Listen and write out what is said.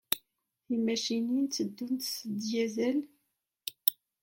Timacinin tteddunt s wediesel?